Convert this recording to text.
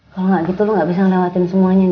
kalau gak gitu lo gak bisa ngelawatin semuanya